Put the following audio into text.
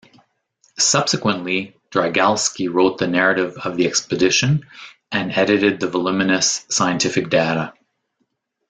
Subsequently, Drygalski wrote the narrative of the expedition and edited the voluminous scientific data.